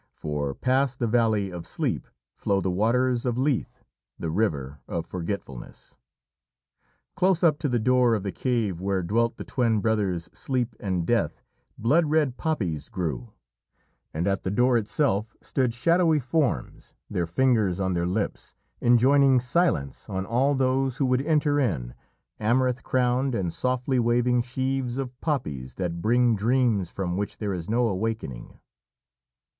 For past the valley of Sleep flow the waters of Lethe, the river of Forgetfulness. Close up to the door of the cave where dwelt the twin brothers, Sleep and Death, blood red poppies grew, and at the door itself stood shadowy forms, their fingers on their lips, enjoining silence on all those who would enter in, amaranth crowned, and softly waving sheaves of poppies that bring dreams from which there is no awakening.